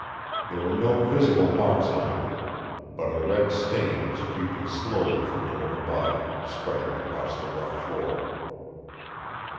There were no visible marks on her, but a red stain was creeping slowly from under her body, spreading across the rough floor.